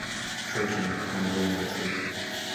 Trochim at Cornell University.